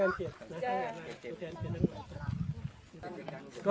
เสร็จทนพวง